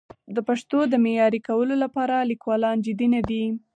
د پښتو د معیاري کولو لپاره لیکوالان جدي نه دي.